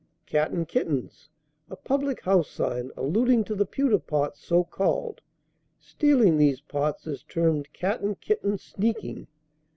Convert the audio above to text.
"Cat and Kittens. A public house sign, alluding to the pewter pots so called. Stealing these pots is termed 'Cat and kitten sneaking.'